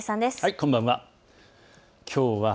こんばんは。